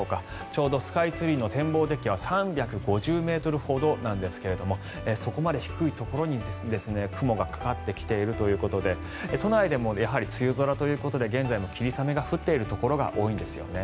ちょうどスカイツリーの天望デッキは３５０ｍほどなんですがそこまで低いところに、雲がかかってきているということで都内でもやはり梅雨空ということで現在も霧雨が降っているところが多いんですよね。